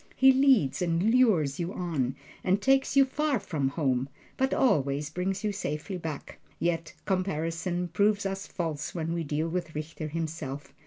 He leads and lures you on, and takes you far from home, but always brings you safely back. Yet comparison proves us false when we deal with Richter himself.